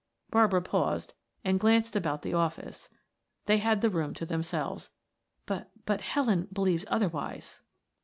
Barbara paused and glanced about the office; they had the room to themselves. "B but Helen believes otherwise."